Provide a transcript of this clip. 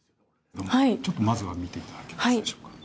まずは見ていただけますでしょうか。